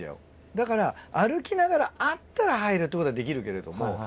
だから歩きながらあったら入るってことはできるけれども。